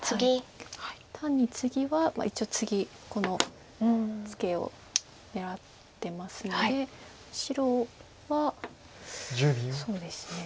単にツギは一応次このツケを狙ってますので白はそうですね。